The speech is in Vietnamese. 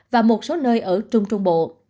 và một số nơi ở trung trung bộ